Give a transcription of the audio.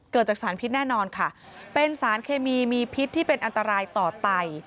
เกิดจากสารพิษแน่นอนค่ะเป็นสารเคมีมีพิษที่เป็นอันตรายต่อไต